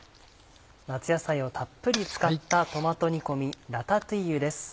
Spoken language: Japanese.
夏野菜をたっぷり使ったトマト煮込みラタトゥイユです。